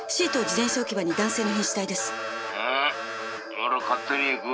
俺は勝手に行く」